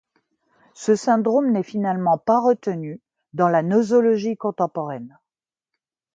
Ce syndrome n'est finalement pas retenu dans la nosologie contemporaine.